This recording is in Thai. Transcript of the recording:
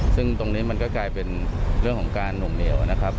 ซึ่งตรงนี้มันก็กลายเป็นเรื่องของการหนุ่มเหนียวนะครับ